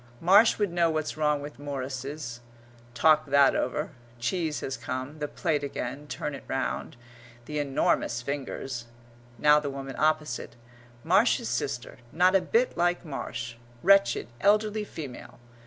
"Marsh would know what's wrong with Morrises ..." talk that over; cheese has come; the plate again; turn it round the enormous fingers; now the woman opposite. "Marsh's sister not a bit like Marsh; wretched, elderly female....